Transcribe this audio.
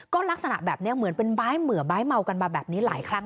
ก็ลักษณะแบบนี้เหมือนเป็นบ้ายเหมือบ้ายเมากันมาแบบนี้หลายครั้ง